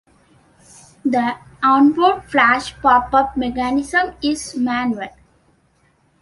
The onboard flash popup mechanism is manual.